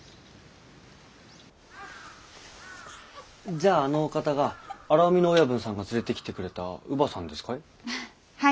じゃああのお方が荒海の親分さんが連れてきてくれた乳母さんですかい？